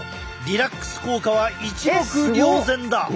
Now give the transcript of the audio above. リラックス効果は一目瞭然だ！